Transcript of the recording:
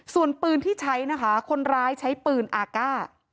ส่วนปืนที่ใช้นะคะคนร้ายใช้ปืนอากาศ